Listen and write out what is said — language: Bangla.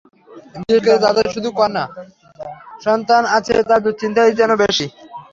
বিশেষ করে যাঁদের শুধু কন্যা সন্তান আছে, তাঁদের দুশ্চিন্তাই যেন বেশি।